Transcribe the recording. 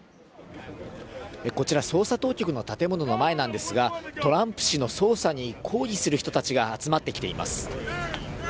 こちら、捜査当局の建物の前なんですが、トランプ氏の捜査に抗議する人たちが集まってきています。